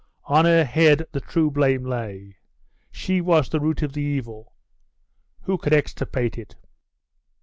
On her head the true blame lay. She was the root of the evil. Who would extirpate it?....